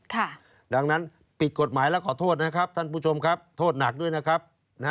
ค่ะดังนั้นผิดกฎหมายแล้วขอโทษนะครับท่านผู้ชมครับโทษหนักด้วยนะครับ